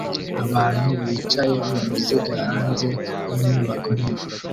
Abantu bicaye muruziga hanze yinyubako nini